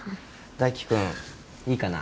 大輝君いいかな。